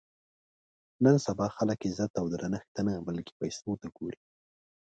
نن سبا خلک عزت او درنښت ته نه بلکې پیسو ته ګوري.